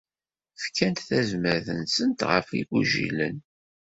Fkant tazmert-nsent ɣef igujilen.